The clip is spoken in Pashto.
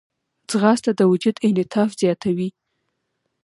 ځغاسته د وجود انعطاف زیاتوي